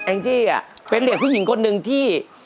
เอกซี่เป็นเหลี่ยคุณหญิงคนหนึ่งที่